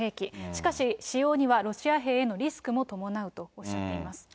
しかし、使用にはロシア兵へのリスクも伴うとおっしゃっています。